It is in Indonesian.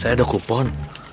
saya ada kupon